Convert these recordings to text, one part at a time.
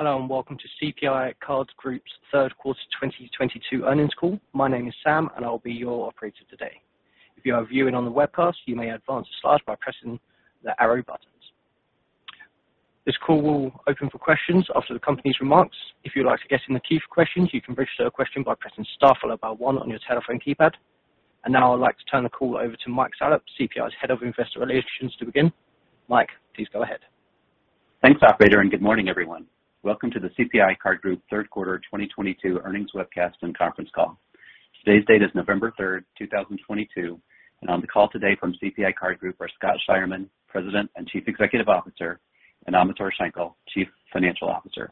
Hello, and welcome to CPI Card Group's Third Quarter 2022 earnings call. My name is Sam, and I will be your operator today. If you are viewing on the webcast, you may advance the slide by pressing the arrow buttons. This call will open for questions after the company's remarks. If you'd like to get in the queue for questions, you can raise your question by pressing star followed by one on your telephone keypad. Now I'd like to turn the call over to Mike Salop, CPI's Head of Investor Relations, to begin. Mike, please go ahead. Thanks, operator, and good morning, everyone. Welcome to the CPI Card Group Third Quarter 2022 earnings webcast and conference call. Today's date is November 3, 2022, and on the call today from CPI Card Group are Scott Scheirman, President and Chief Executive Officer, and Amintore Schenkel, Chief Financial Officer.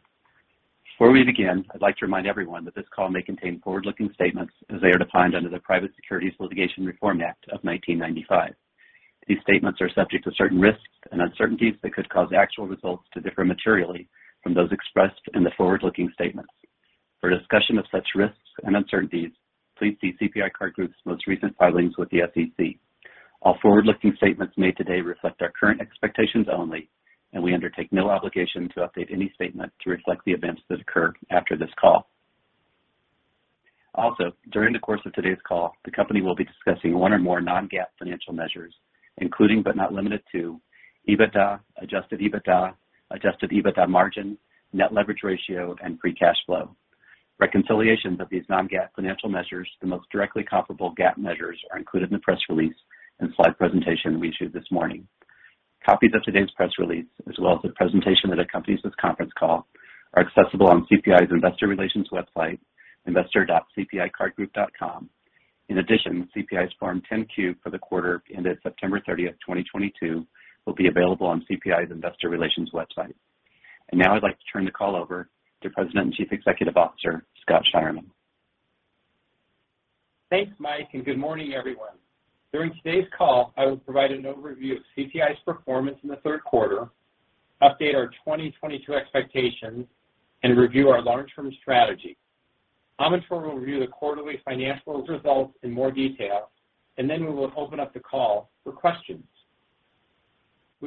Before we begin, I'd like to remind everyone that this call may contain forward-looking statements as they are defined under the Private Securities Litigation Reform Act of 1995. These statements are subject to certain risks and uncertainties that could cause actual results to differ materially from those expressed in the forward-looking statements. For a discussion of such risks and uncertainties, please see CPI Card Group's most recent filings with the SEC. All forward-looking statements made today reflect our current expectations only, and we undertake no obligation to update any statement to reflect the events that occur after this call. Also, during the course of today's call, the company will be discussing one or more non-GAAP financial measures, including but not limited to EBITDA, Adjusted EBITDA, Adjusted EBITDA margin, net leverage ratio, and free cash flow. Reconciliations of these non-GAAP financial measures to the most directly comparable GAAP measures are included in the press release and slide presentation we issued this morning. Copies of today's press release, as well as the presentation that accompanies this conference call, are accessible on CPI's Investor Relations website, investor.cpicardgroup.com. In addition, CPI's Form 10-Q for the quarter ended September 30, 2022, will be available on CPI's Investor Relations website. Now I'd like to turn the call over to President and Chief Executive Officer, Scott Scheirman. Thanks, Mike, and good morning, everyone. During today's call, I will provide an overview of CPI's performance in the third quarter, update our 2022 expectations, and review our long-term strategy. Amintore will review the quarterly financial results in more detail, and then we will open up the call for questions.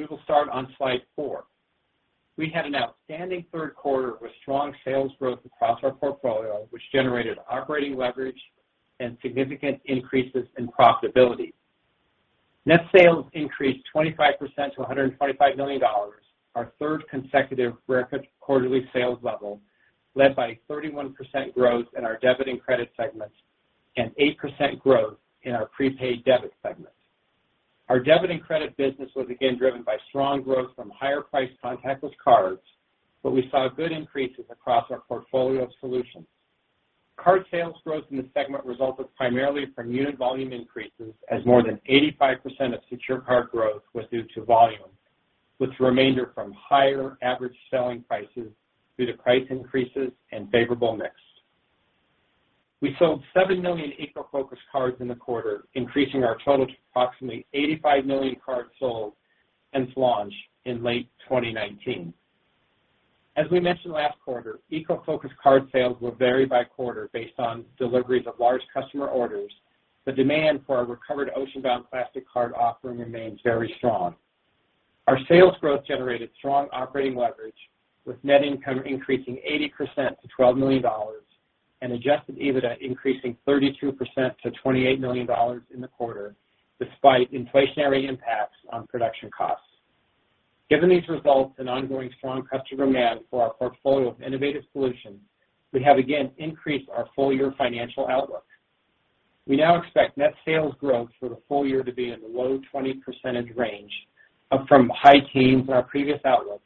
We will start on slide four. We had an outstanding third quarter with strong sales growth across our portfolio, which generated operating leverage and significant increases in profitability. Net sales increased 25% to $125 million, our third consecutive record quarterly sales level, led by 31% growth in our Debit and Credit segments and 8% growth in our prepaid debit segment. Our Debit and Credit business was again driven by strong growth from higher-priced contactless cards, but we saw good increases across our portfolio of solutions. Card sales growth in the segment resulted primarily from unit volume increases as more than 85% of secure card growth was due to volume, with the remainder from higher average selling prices due to price increases and favorable mix. We sold 7 million eco-focused cards in the quarter, increasing our total to approximately 85 million cards sold since launch in late 2019. As we mentioned last quarter, eco-focused card sales will vary by quarter based on deliveries of large customer orders. The demand for our recovered ocean-bound plastic card offering remains very strong. Our sales growth generated strong operating leverage, with net income increasing 80% to $12 million and Adjusted EBITDA increasing 32% to $28 million in the quarter, despite inflationary impacts on production costs. Given these results and ongoing strong customer demand for our portfolio of innovative solutions, we have again increased our full-year financial outlook. We now expect net sales growth for the full year to be in the low 20% range, up from high teens in our previous outlook,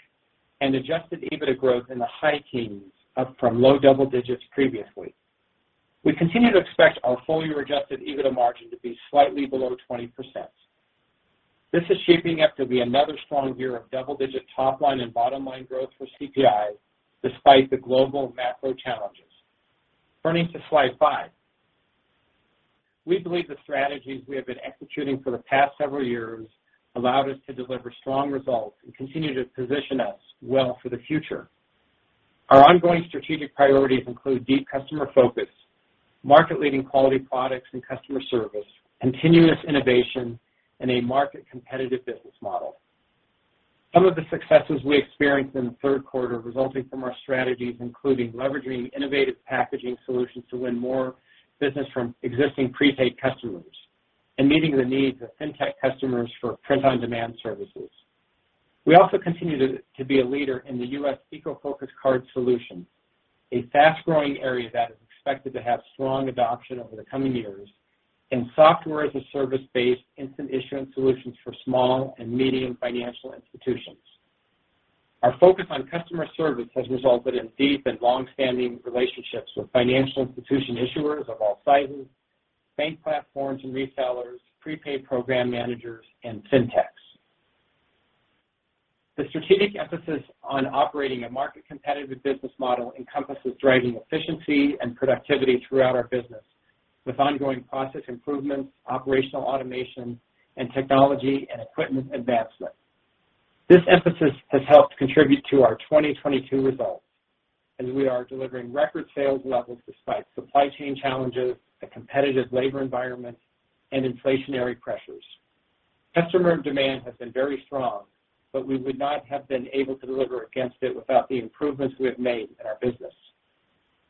and Adjusted EBITDA growth in the high teens, up from low double digits previously. We continue to expect our full-year Adjusted EBITDA margin to be slightly below 20%. This is shaping up to be another strong year of double-digit top-line and bottom-line growth for CPI despite the global macro challenges. Turning to slide five. We believe the strategies we have been executing for the past several years allowed us to deliver strong results and continue to position us well for the future. Our ongoing strategic priorities include deep customer focus, market-leading quality products and customer service, continuous innovation, and a market-competitive business model. Some of the successes we experienced in the third quarter resulting from our strategies including leveraging innovative packaging solutions to win more business from existing prepaid customers and meeting the needs of Fintech customers for print-on-demand services. We also continue to be a leader in the U.S. eco-focused cards, a fast-growing area that is expected to have strong adoption over the coming years, and SaaS-based instant issuance solutions for small and medium financial institutions. Our focus on customer service has resulted in deep and long-standing relationships with financial institution issuers of all sizes, bank platforms and resellers, prepaid program managers, and Fintechs. The strategic emphasis on operating a market-competitive business model encompasses driving efficiency and productivity throughout our business with ongoing process improvements, operational automation, and technology and equipment advancement. This emphasis has helped contribute to our 2022 results. As we are delivering record sales levels despite supply chain challenges, a competitive labor environment, and inflationary pressures. Customer demand has been very strong, but we would not have been able to deliver against it without the improvements we have made in our business.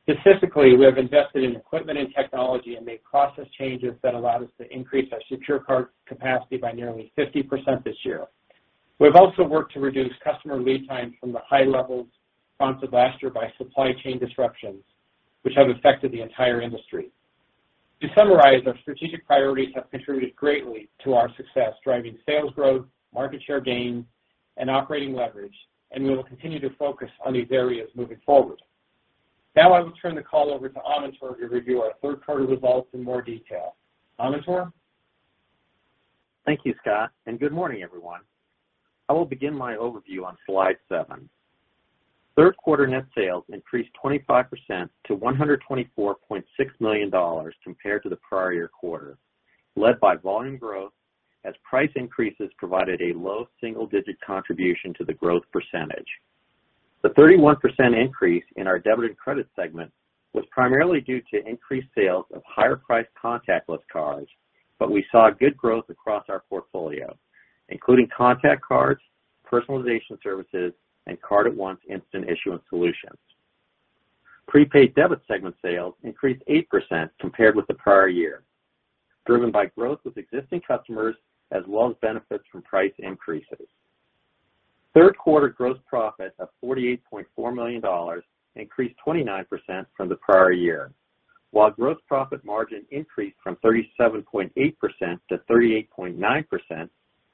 Specifically, we have invested in equipment and technology and made process changes that allow us to increase our Secure Card capacity by nearly 50% this year. We've also worked to reduce customer lead time from the high levels prompted last year by supply chain disruptions, which have affected the entire industry. To summarize, our strategic priorities have contributed greatly to our success, driving sales growth, market share gains, and operating leverage, and we will continue to focus on these areas moving forward. Now I will turn the call over to Amintore to review our third quarter results in more detail. Amintore? Thank you, Scott, and good morning, everyone. I will begin my overview on slide seven. Third quarter net sales increased 25% to $124.6 million compared to the prior year quarter, led by volume growth as price increases provided a low single-digit contribution to the growth percentage. The 31% increase in our Debit and Credit segment was primarily due to increased sales of higher priced contactless cards, but we saw good growth across our portfolio, including contact cards, personalization services, and Card@Once instant issuance solutions. Prepaid debit segment sales increased 8% compared with the prior year, driven by growth with existing customers as well as benefits from price increases. Third quarter gross profit of $48.4 million increased 29% from the prior year. While gross profit margin increased from 37.8% to 38.9%,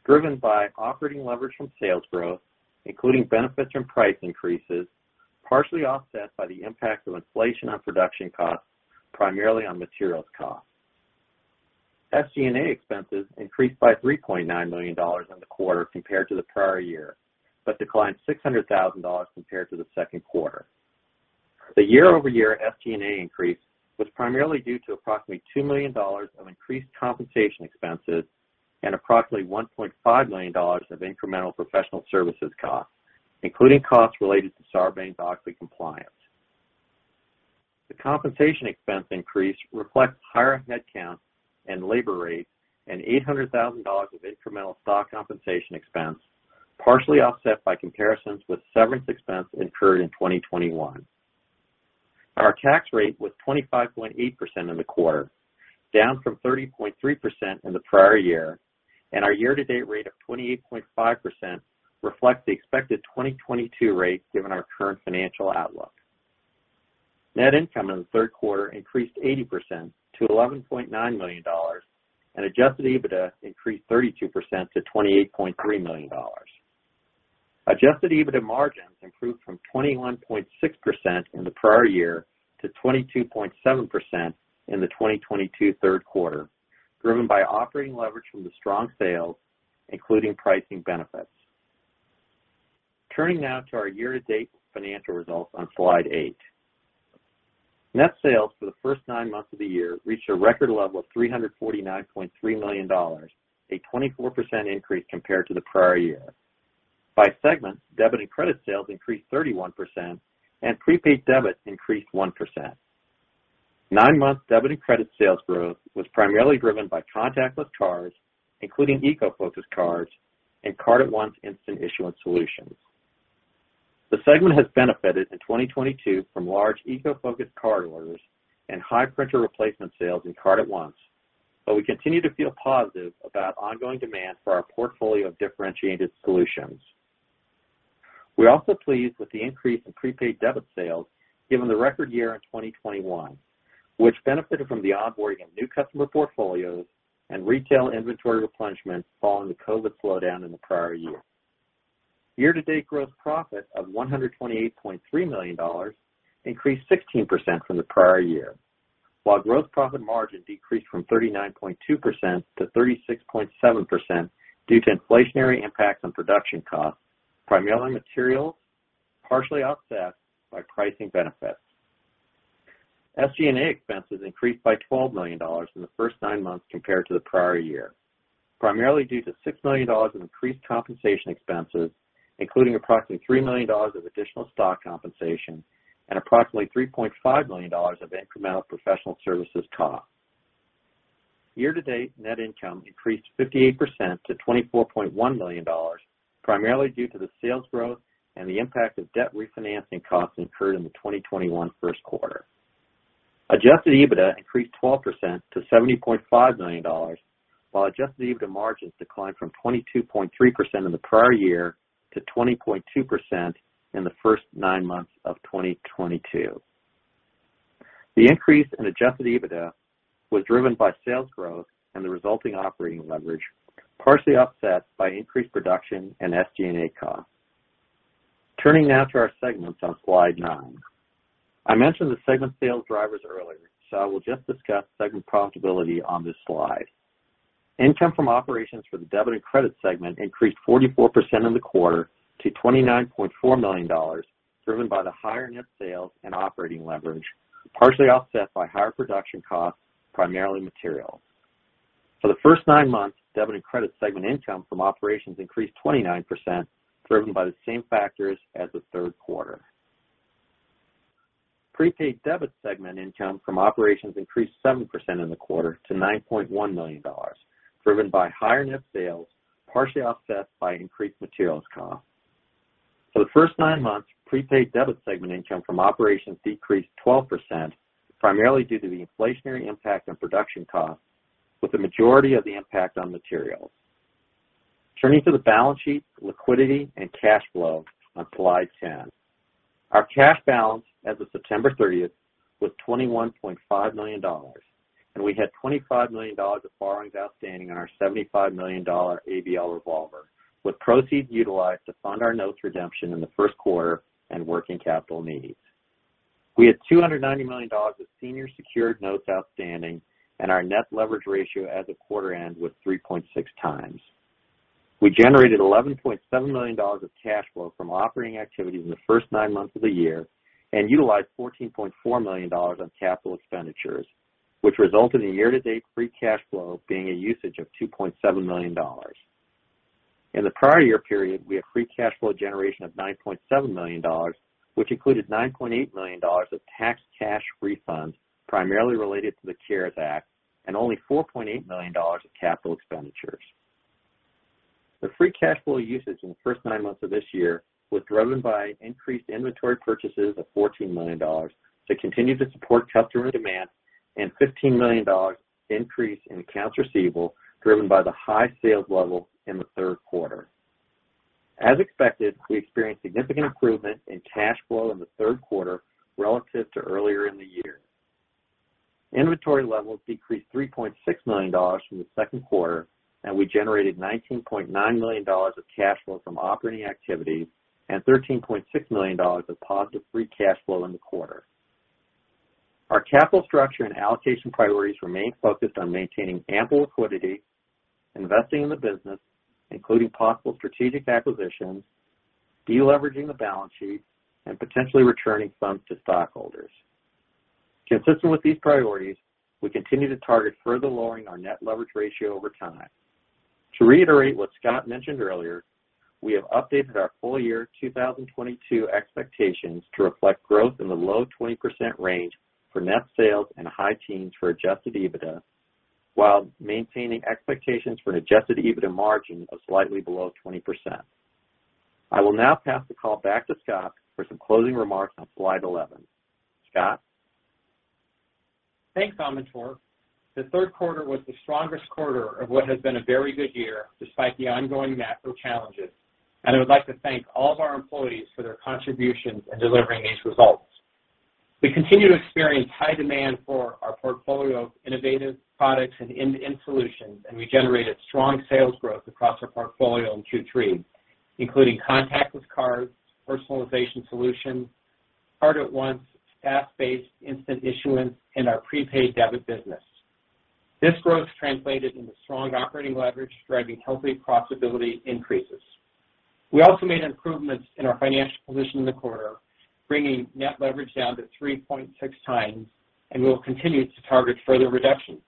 driven by operating leverage from sales growth, including benefits from price increases, partially offset by the impact of inflation on production costs, primarily on materials costs. SG&A expenses increased by $3.9 million in the quarter compared to the prior year, but declined $600,000 compared to the second quarter. The year-over-year SG&A increase was primarily due to approximately $2 million of increased compensation expenses and approximately $1.5 million of incremental professional services costs, including costs related to Sarbanes-Oxley compliance. The compensation expense increase reflects higher headcount and labor rates and $800,000 of incremental stock compensation expense, partially offset by comparisons with severance expense incurred in 2021. Our tax rate was 25.8% in the quarter, down from 30.3% in the prior year, and our year-to-date rate of 28.5% reflects the expected 2022 rate given our current financial outlook. Net income in the third quarter increased 80% to $11.9 million and Adjusted EBITDA increased 32% to $28.3 million. Adjusted EBITDA margins improved from 21.6% in the prior year to 22.7% in the 2022 third quarter, driven by operating leverage from the strong sales, including pricing benefits. Turning now to our year-to-date financial results on slide eight. Net sales for the first nine months of the year reached a record level of $349.3 million, a 24% increase compared to the prior year. By segment, Debit and Credit sales increased 31% and prepaid debit increased 1%. Nine month Debit and Credit sales growth was primarily driven by contactless cards, including eco-focused cards and Card@Once instant issuance solutions. The segment has benefited in 2022 from large eco-focused card orders and high printer replacement sales in Card@Once, but we continue to feel positive about ongoing demand for our portfolio of differentiated solutions. We're also pleased with the increase in prepaid debit sales given the record year in 2021, which benefited from the onboarding of new customer portfolios and retail inventory replenishment following the COVID slowdown in the prior year. Year-to-date gross profit of $128.3 million increased 16% from the prior year. While gross profit margin decreased from 39.2% to 36.7% due to inflationary impacts on production costs, primarily materials, partially offset by pricing benefits. SG&A expenses increased by $12 million in the first nine months compared to the prior year, primarily due to $6 million in increased compensation expenses, including approximately $3 million of additional stock compensation and approximately $3.5 million of incremental professional services costs. Year-to-date, net income increased 58% to $24.1 million, primarily due to the sales growth and the impact of debt refinancing costs incurred in the 2021 first quarter. Adjusted EBITDA increased 12% to $70.5 million, while Adjusted EBITDA margins declined from 22.3% in the prior year to 20.2% in the first nine months of 2022. The increase in Adjusted EBITDA was driven by sales growth and the resulting operating leverage, partially offset by increased production and SG&A costs. Turning now to our segments on slide nine. I mentioned the segment sales drivers earlier, so I will just discuss segment profitability on this slide. Income from operations for the Debit and Credit segment increased 44% in the quarter to $29.4 million, driven by the higher net sales and operating leverage, partially offset by higher production costs, primarily materials. For the first nine months, Debit and Credit segment income from operations increased 29%, driven by the same factors as the third quarter. Prepaid Debit segment income from operations increased 7% in the quarter to $9.1 million, driven by higher net sales, partially offset by increased materials costs. For the first nine months, prepaid debit segment income from operations decreased 12%, primarily due to the inflationary impact on production costs, with the majority of the impact on materials. Turning to the balance sheet, liquidity and cash flow on slide 10. Our cash balance as of September 30 was $21.5 million, and we had $25 million of borrowings outstanding on our $75 million ABL revolver, with proceeds utilized to fund our notes redemption in the first quarter and working capital needs. We had $290 million of senior secured notes outstanding, and our net leverage ratio as of quarter end was 3.6 times. We generated $11.7 million of cash flow from operating activities in the first nine months of the year and utilized $14.4 million on capital expenditures, which resulted in year-to-date free cash flow being a usage of $2.7 million. In the prior year period, we had free cash flow generation of $9.7 million, which included $9.8 million of tax cash refunds primarily related to the CARES Act and only $4.8 million of capital expenditures. The free cash flow usage in the first nine months of this year was driven by increased inventory purchases of $14 million to continue to support customer demand and $15 million increase in accounts receivable driven by the high sales level in the third quarter. As expected, we experienced significant improvement in cash flow in the third quarter relative to earlier in the year. Inventory levels decreased $3.6 million from the second quarter, and we generated $19.9 million of cash flow from operating activities and $13.6 million of positive free cash flow in the quarter. Our capital structure and allocation priorities remain focused on maintaining ample liquidity, investing in the business, including possible strategic acquisitions, de-leveraging the balance sheet, and potentially returning funds to stockholders. Consistent with these priorities, we continue to target further lowering our net leverage ratio over time. To reiterate what Scott mentioned earlier, we have updated our full year 2022 expectations to reflect growth in the low 20% range for net sales and high teens for Adjusted EBITDA, while maintaining expectations for an Adjusted EBITDA margin of slightly below 20%. I will now pass the call back to Scott for some closing remarks on slide 11. Scott? Thanks, Amintore. The third quarter was the strongest quarter of what has been a very good year despite the ongoing macro challenges, and I would like to thank all of our employees for their contributions in delivering these results. We continue to experience high demand for our portfolio of innovative products and end-to-end solutions, and we generated strong sales growth across our portfolio in Q3, including contactless cards, personalization solutions, Card@Once, SaaS-based instant issuance, and our prepaid debit business. This growth translated into strong operating leverage, driving healthy profitability increases. We also made improvements in our financial position in the quarter, bringing net leverage down to 3.6 times, and we will continue to target further reductions.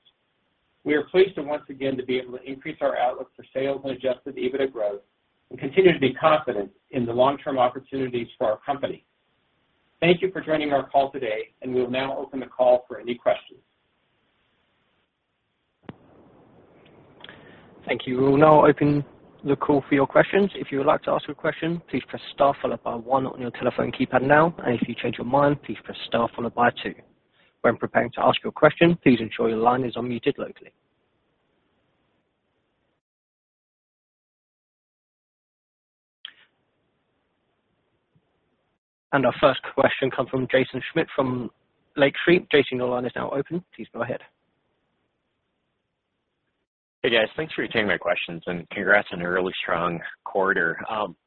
We are pleased once again to be able to increase our outlook for sales and Adjusted EBITDA growth and continue to be confident in the long-term opportunities for our company. Thank you for joining our call today, and we'll now open the call for any questions. Thank you. We will now open the call for your questions. If you would like to ask a question, please press star followed by one on your telephone keypad now. If you change your mind, please press star followed by two. When preparing to ask your question, please ensure your line is unmuted locally. Our first question comes from Jaeson Schmidt from Lake Street. Jaeson, your line is now open. Please go ahead. Hey, guys. Thanks for taking my questions and congrats on a really strong quarter.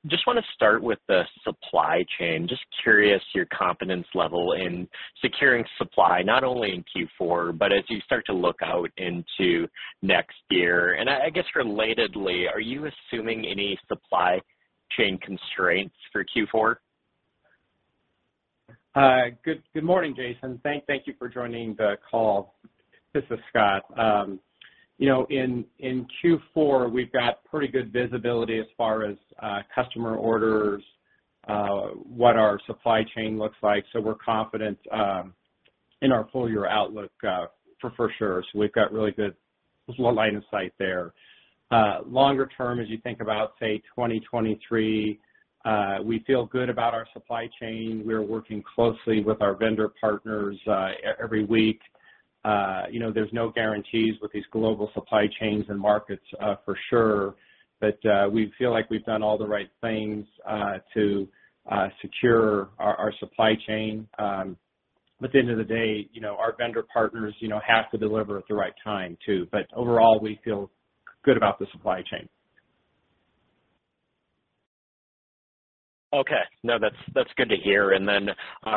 Just want to start with the supply chain. Just curious your confidence level in securing supply, not only in Q4, but as you start to look out into next year. I guess relatedly, are you assuming any supply chain constraints for Q4? Good morning, Jaeson. Thank you for joining the call. This is Scott. You know, in Q4, we've got pretty good visibility as far as customer orders, what our supply chain looks like. We're confident in our full year outlook, for sure. We've got really good line of sight there. Longer term, as you think about, say, 2023, we feel good about our supply chain. We're working closely with our vendor partners, every week. You know, there's no guarantees with these global supply chains and markets, for sure. We feel like we've done all the right things to secure our supply chain. At the end of the day, you know, our vendor partners, you know, have to deliver at the right time too. Overall, we feel good about the supply chain. Okay. No, that's good to hear. Then,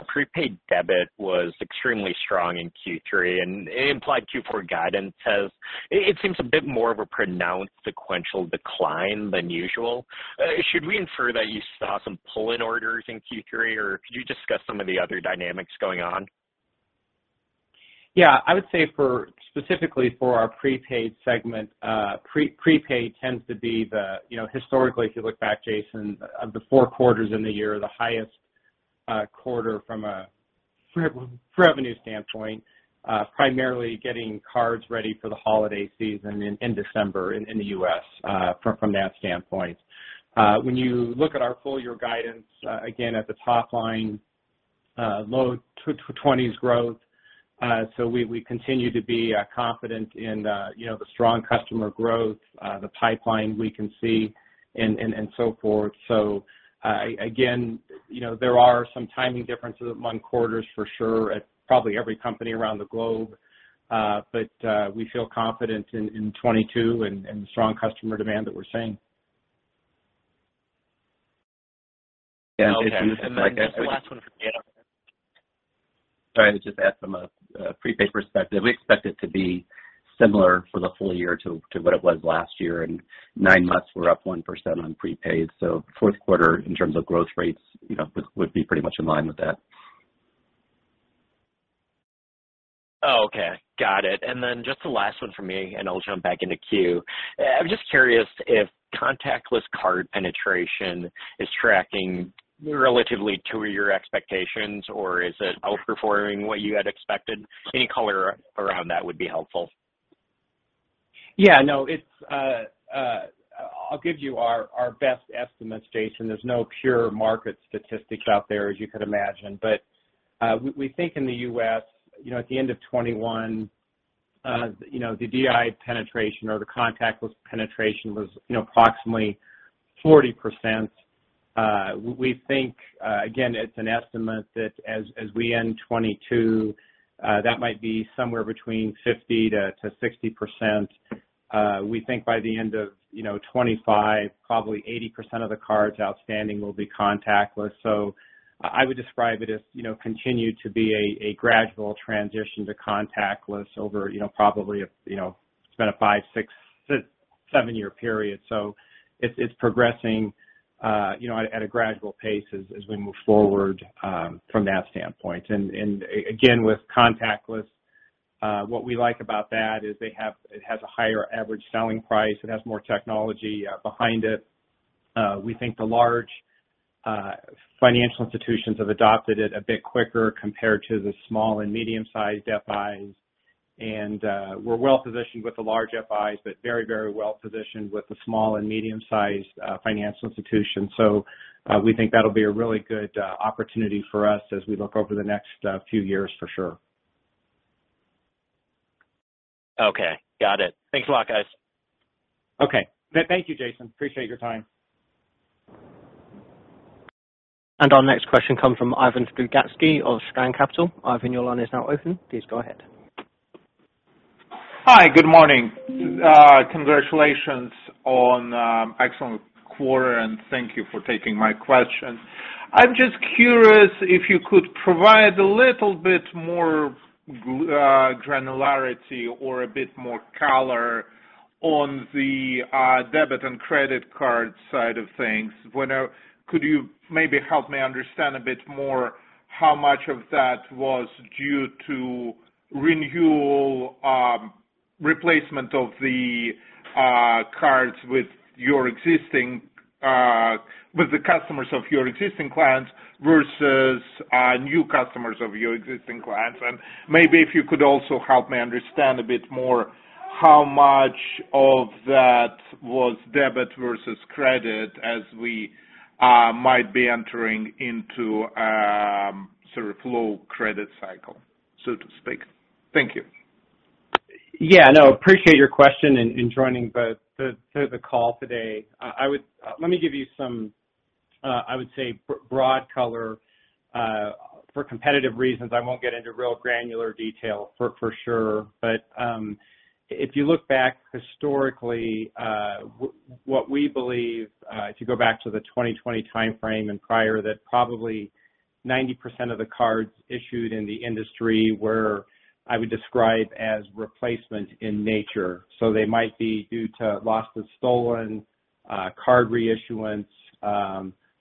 prepaid debit was extremely strong in Q3, and implied Q4 guidance has, it seems, a bit more of a pronounced sequential decline than usual. Should we infer that you saw some pull-in orders in Q3, or could you discuss some of the other dynamics going on? Yeah, I would say specifically for our prepaid segment, prepaid tends to be the, you know, historically, if you look back Jaeson of the four quarters in the year, the highest quarter from a revenue standpoint, primarily getting cards ready for the holiday season in December in the U.S., from that standpoint. When you look at our full year guidance, again at the top line, low 20s% growth. We continue to be confident in you know the strong customer growth, the pipeline we can see and so forth. Again, you know, there are some timing differences among quarters for sure at probably every company around the globe. But we feel confident in 2022 and the strong customer demand that we're seeing. Okay. Just the last one for me. Sorry. I'll just add from a prepaid perspective, we expect it to be similar for the full year to what it was last year. In nine months we're up 1% on prepaid. Fourth quarter in terms of growth rates, you know, would be pretty much in line with that. Oh, okay. Got it. Just the last one for me, and I'll jump back into queue. I'm just curious if contactless card penetration is tracking relative to your expectations or is it outperforming what you had expected? Any color around that would be helpful. Yeah, no. It's, I'll give you our best estimates, Jaeson. There's no pure market statistics out there as you could imagine. We think in the U.S., you know, at the end of 2021, you know, the dual-interface penetration or the contactless penetration was, you know, approximately 40%. We think, again, it's an estimate that as we end 2022, that might be somewhere between 50%-60%. We think by the end of, you know, 2025, probably 80% of the cards outstanding will be contactless.I would describe it as, you know, continued to be a gradual transition to contactless over, you know, probably a, you know, it's been a five, six, seven-year period, so it's progressing, you know, at a gradual pace as we move forward, from that standpoint. Again, with contactless, what we like about that is it has a higher average selling price. It has more technology behind it. We think the large financial institutions have adopted it a bit quicker compared to the small and medium sized FIs. We're well positioned with the large FIs, but very, very well positioned with the small and medium sized financial institutions. We think that'll be a really good opportunity for us as we look over the next few years for sure. Okay. Got it. Thanks a lot, guys. Okay. Thank you, Jaeson. Appreciate your time. Our next question comes from Parsa Kiai of Steamboat Capital. Your line is now open. Please go ahead. Hi. Good morning. Congratulations on excellent quarter, and thank you for taking my question. I'm just curious if you could provide a little bit more granularity or a bit more color on the Debit and Credit card side of things. Could you maybe help me understand a bit more how much of that was due to renewal replacement of the cards with your existing with the customers of your existing clients versus new customers of your existing clients? Maybe if you could also help me understand a bit more how much of that was debit versus credit as we might be entering into sort of low credit cycle, so to speak. Thank you. Yeah, no, appreciate your question and joining the call today. Let me give you some I would say broad color. For competitive reasons I won't get into real granular detail for sure. If you look back historically, what we believe, if you go back to the 2020 timeframe and prior that probably 90% of the cards issued in the industry were, I would describe as replacement in nature. They might be due to lost and stolen card reissuance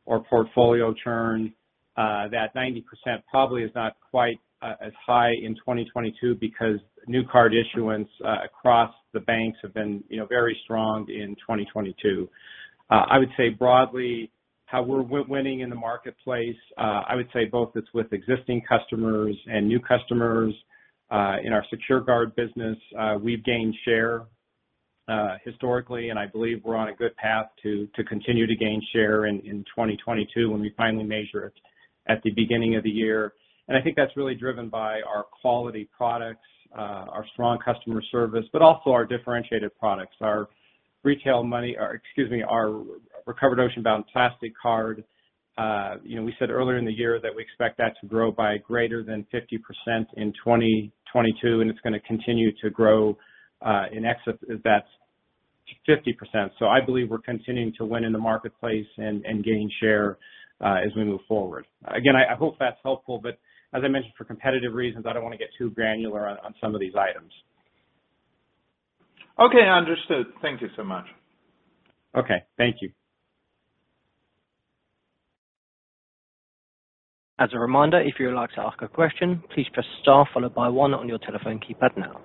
or portfolio churn. That 90% probably is not quite as high in 2022 because new card issuance across the banks have been, you know, very strong in 2022. I would say broadly how we're winning in the marketplace. I would say both it's with existing customers and new customers. In our Secure Card business, we've gained share historically, and I believe we're on a good path to continue to gain share in 2022 when we finally measure it at the beginning of the year. I think that's really driven by our quality products, our strong customer service, but also our differentiated products. Our retail money, or excuse me, our recovered ocean-bound plastic card, you know, we said earlier in the year that we expect that to grow by greater than 50% in 2022, and it's gonna continue to grow in excess of that 50%. I believe we're continuing to win in the marketplace and gain share as we move forward. Again, I hope that's helpful, but as I mentioned, for competitive reasons, I don't wanna get too granular on some of these items. Okay, understood. Thank you so much. Okay. Thank you. As a reminder, if you would like to ask a question, please press star followed by one on your telephone keypad now.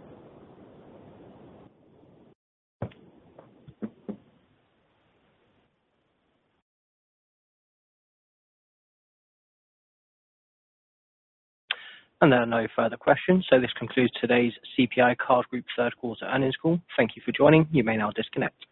There are no further questions, so this concludes today's CPI Card Group Third Quarter Earnings call. Thank you for joining. You may now disconnect.